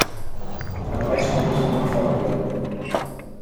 Verbrechen müssen verfolgt werden.